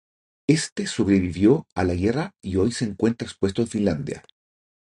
Este sobrevivió a la guerra y hoy se encuentra expuesto en Finlandia.